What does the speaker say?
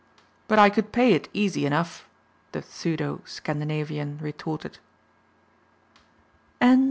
"But I could pay it easy enough," the pseudo Scandinavian retorted.